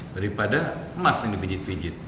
daripada emas yang dipijit pijit